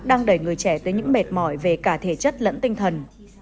đang đẩy người trẻ tới những mệt mỏi về cả thể chất lẫn tinh thần